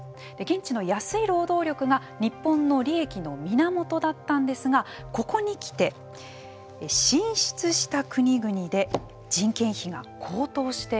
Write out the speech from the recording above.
現地の安い労働力が日本の利益の源だったんですがここに来て、進出した国々で人件費が高騰しているんです。